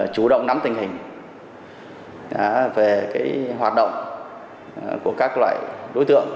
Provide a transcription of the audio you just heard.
chủ động nắm tình hình về hoạt động của các loại đối tượng